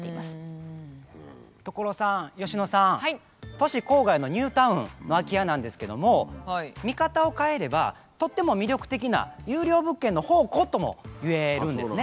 都市郊外のニュータウンの空き家なんですけども見方を変えればとっても魅力的な優良物件の宝庫ともいえるんですね。